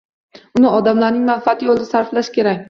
Uni odamlarning manfaati yo’lida sarflash kerak…